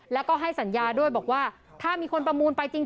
แล้วก็ให้สัญญาด้วยบอกว่าถ้ามีคนประมูลไปจริง